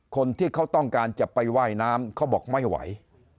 คนที่เขาต้องการจะไปว่ายน้ำเขาบอกไม่ไหว